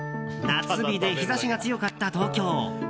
夏日で日差しが強かった東京。